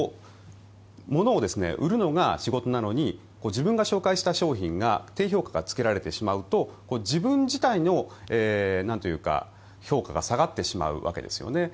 物を売るのが仕事なのに自分が紹介した商品が低評価がつけられてしまうと自分自体の評価が下がってしまうわけですよね。